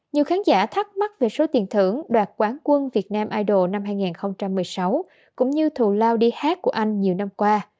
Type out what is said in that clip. nhiều khán giả thắc mắc về số tiền thưởng đoạt quán quân việt nam idol năm hai nghìn một mươi sáu cũng như thù lao đi hát của anh nhiều năm qua